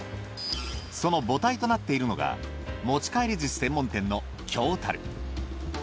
その母体となっているのが持ち帰り寿司専門店の京樽。